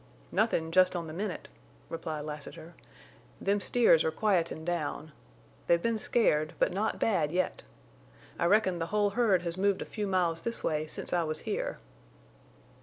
"Nothin' jest on the minute," replied Lassiter. "Them steers are quietin' down. They've been scared, but not bad yet. I reckon the whole herd has moved a few miles this way since I was here."